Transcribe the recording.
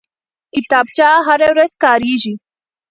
کتابچه هره ورځ کارېږي